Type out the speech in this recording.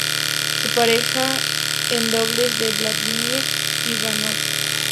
Su pareja en dobles es Vladimir Ivanov.